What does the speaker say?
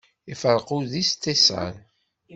Iferreq udi s ṭṭisan.